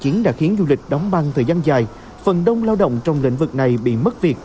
covid một mươi chín đã khiến du lịch đóng băng thời gian dài phần đông lao động trong lĩnh vực này bị mất việc